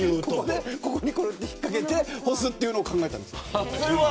ここに引っ掛けて干すというのを考えたんです。